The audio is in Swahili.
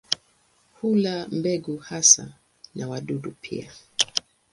Hula mbegu hasa na wadudu pia.